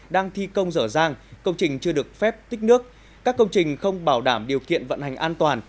đang thi công dở dang công trình chưa được phép tích nước các công trình không bảo đảm điều kiện vận hành an toàn